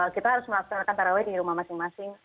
kita harus melaksanakan taraweh di rumah masing masing